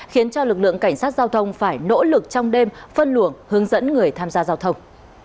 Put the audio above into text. khiến cho lực lượng cảnh sát giao thông phải nỗ lực trong đêm phân luồng hướng dẫn người tham gia giao thông